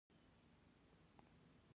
د موضوع له پلوه متن ډېر ډولونه لري.